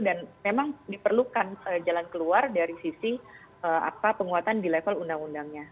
dan memang diperlukan jalan keluar dari sisi apa penguatan di level undang undangnya